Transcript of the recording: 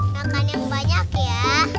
makan yang banyak ya